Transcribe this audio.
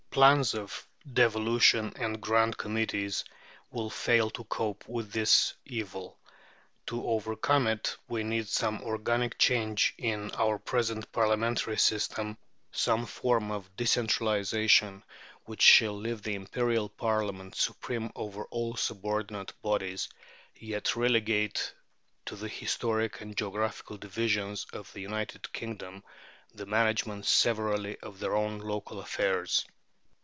Plans of devolution and Grand Committees will fail to cope with this evil. To overcome it we need some organic change in our present Parliamentary system, some form of decentralization, which shall leave the Imperial Parliament supreme over all subordinate bodies, yet relegate to the historic and geographical divisions of the United Kingdom the management severally of their own local affairs.